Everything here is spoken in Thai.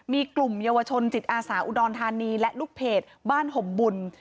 มีกลุ่มเยาวชนจิตอาสาอุดรธานีและลูกเพจบ้านห่มบุญ